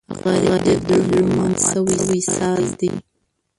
غریب د زړونو مات شوی ساز دی